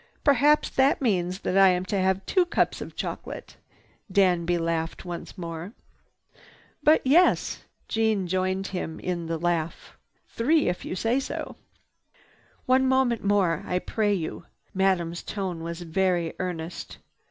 "Perhaps that means that I am to have two cups of chocolate." Danby laughed once more. "But yes!" Jeanne joined him in the laugh. "Three if you say so." "One moment more, I pray you!" Madame's tone was very earnest.